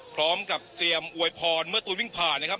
พร้อมกับเตรียมอวยพรเมื่อตูนวิ่งผ่านนะครับ